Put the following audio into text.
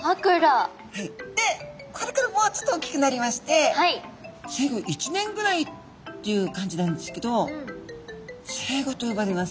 でこれからもうちょっと大きくなりまして生後１年ぐらいっていう感じなんですけどセイゴと呼ばれます。